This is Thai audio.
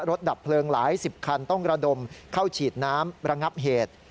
ดับเพลิงหลายสิบคันต้องระดมเข้าฉีดน้ำระงับเหตุ